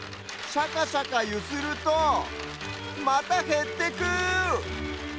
しゃかしゃかゆするとまたへってく！